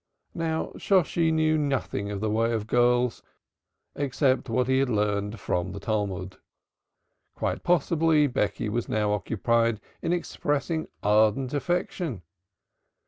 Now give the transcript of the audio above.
Shosshi knew nothing of the ways of girls, except what he had learned from the Talmud. Quite possibly Becky was now occupied in expressing ardent affection.